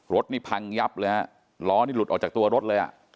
รถนี่พังยับเลยฮะล้อนี่หลุดออกจากตัวรถเลยอ่ะ